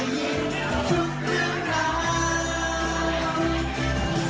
จากประธานสโมงศรอย่างมดรแป้งคุณดนทันร่ำ๓ครับ